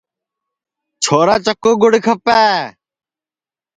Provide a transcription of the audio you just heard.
چھورا چکُو گُڑ کھپے